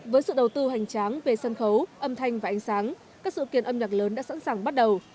với sự đầu tư hành tráng về sân khấu âm thanh và ánh sáng các sự kiện âm nhạc lớn đã sẵn sàng bắt đầu